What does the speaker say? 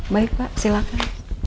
baik pak silakan